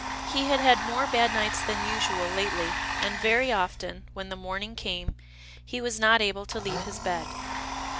He had had more bad nights than usual lately, and very often, when the morning came, he was not able to leave his bed.